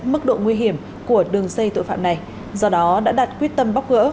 mức độ nguy hiểm của đường dây tội phạm này do đó đã đặt quyết tâm bóc gỡ